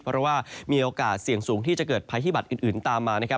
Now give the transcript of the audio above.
เพราะว่ามีโอกาสเสี่ยงสูงที่จะเกิดภัยฮิบัตรอื่นตามมานะครับ